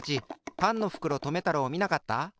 パンのふくろとめたろうをみなかった？